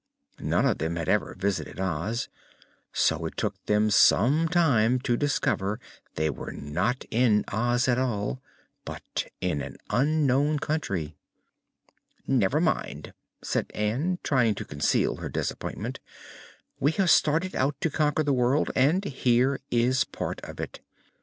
None of them had ever visited Oz, so it took them some time to discover they were not in Oz at all, but in an unknown country. "Never mind," said Ann, trying to conceal her disappointment; "we have started out to conquer the world, and here is part of it.